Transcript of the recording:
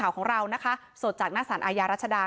คุณเขตมันสอนค่ะ